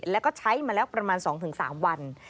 แล้วก็ใช้มาแล้วประมาณ๒๓วัน